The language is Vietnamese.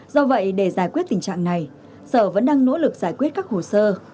do vậy để giải quyết tình trạng này sở vẫn đang nỗ lực giải quyết các hồ sơ